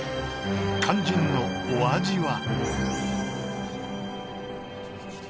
肝心のお味は？